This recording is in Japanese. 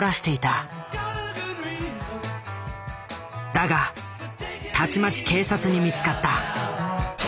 だがたちまち警察に見つかった。